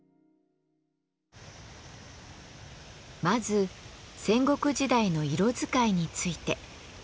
まず戦国時代の色使いについて。